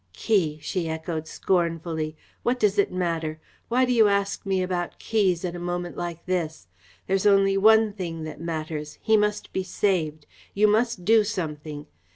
"Key!" she echoed scornfully. "What does it matter? Why do you ask me about keys at a moment like this? There's only one thing that matters he must be saved. You must do something.